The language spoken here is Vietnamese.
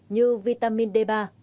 như vitamin d ba